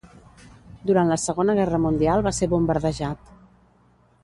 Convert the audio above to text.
Durant la Segona Guerra Mundial va ser bombardejat.